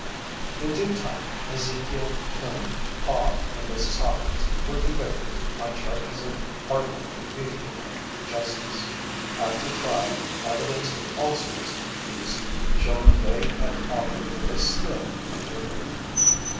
In due time, Ezekiel, Coon, Hod and Mrs. Hawkins were convicted on charges of harboring a fugitive from justice. At their trial, evidence also was introduced, showing they had operated a still illegally.